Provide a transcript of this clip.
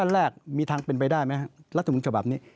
ขั้นแรกมีทางเป็นไปได้ไหมฤทธิ์ภูมิโชบับ